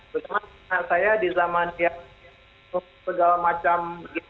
karena saya di zaman yang segala macam